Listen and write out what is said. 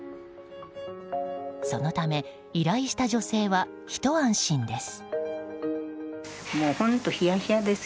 そのため、依頼した女性はひと安心です。